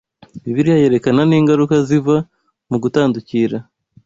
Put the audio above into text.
Bibiliya yerekana n’ingaruka ziva mu gutandukira